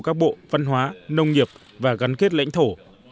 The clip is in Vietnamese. các bộ văn hóa nông nghiệp và gắn kết lãnh thổ